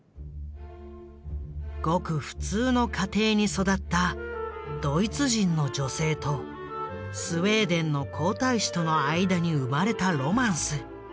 ごく普通の家庭に育ったドイツ人の女性とスウェーデンの皇太子との間に生まれたロマンス。